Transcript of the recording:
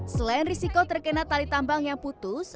selain risiko terkena tali tambang yang putus